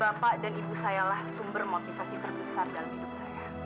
bapak dan ibu sayalah sumber motivasi terbesar dalam hidup saya